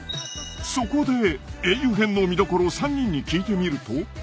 ［そこで『英雄編』の見どころを３人に聞いてみると］